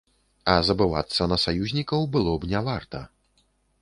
А забывацца на саюзнікаў было б не варта.